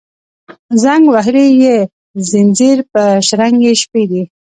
زنګ وهلي یې ځینځیر پر شرنګ یې شپې دي